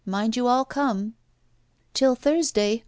Mind you all come!' 'Till Thursday!